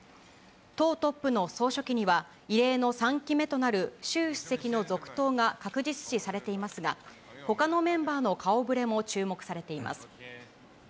党トップの総書記には、異例の３期目となる習主席の続投が確実視されていますが、ほかのメンバーの顔ぶれも注目されています。